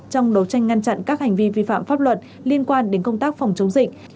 trong đấu tranh ngăn chặn các hành vi vi phạm pháp luật liên quan đến công tác phòng chống dịch